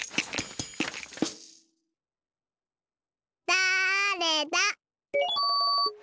だれだ？